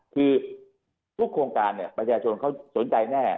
คือทุกโครงการเนี่ยประชาชนเขาสนใจแน่